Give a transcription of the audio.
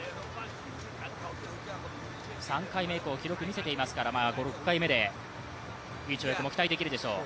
３回目以降、記録を見せていますから６回目でいい跳躍も期待できるでしょう。